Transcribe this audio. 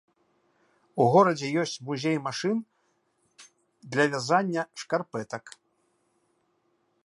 У горадзе ёсць музей машын па вязання шкарпэтак.